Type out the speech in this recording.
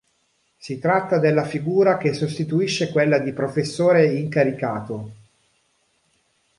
Si tratta della figura che sostituisce quella di "professore incaricato".